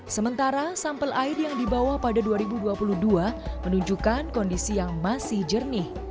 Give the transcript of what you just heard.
sementara sampel air yang dibawa pada dua ribu dua puluh dua menunjukkan kondisi yang masih jernih